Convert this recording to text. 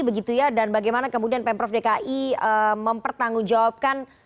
begitu ya dan bagaimana kemudian pemprov dki mempertanggungjawabkan